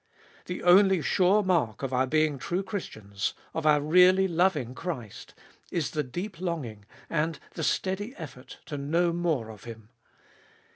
The only sure mark of our being true Christians, of our really loving Christ, is the deep longing and the steady effort to know more of Him.